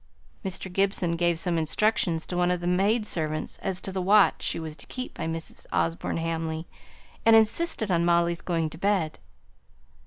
Mr. Gibson gave some instructions to one of the maid servants as to the watch she was to keep by Mrs. Osborne Hamley, and insisted on Molly's going to bed.